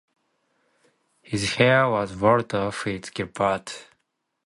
His heir was Walter fitz Gilbert.